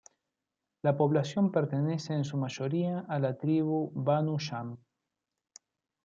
La población pertenece en su mayoría a la tribu Banu Yam.